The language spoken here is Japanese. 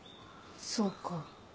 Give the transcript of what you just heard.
そうか。